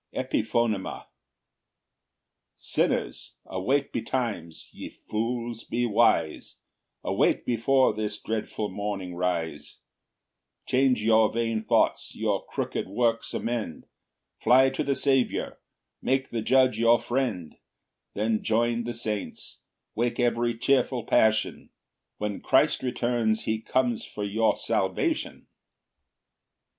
EPIPHONEMA. 15 Sinners, awake betimes; ye fools, be wise; Awake before this dreadful morning rise: Change your vain thoughts, your crooked works amend, Fly to the Saviour, make the Judge your friend: Then join the saints: wake every cheerful passion; When Christ returns, he comes for your salvation.